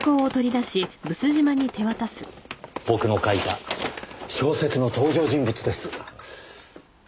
僕の書いた小説の登場人物です。